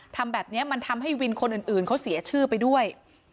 ทำแบบนี้มันทำให้วินคนอื่นเขาเสียชื่อไปด้วย